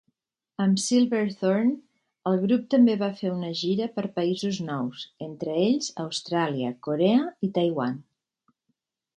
Amb "Silverthorn", el grup també va fer una gira per països nous, entre ells Austràlia, Korea i Taiwan.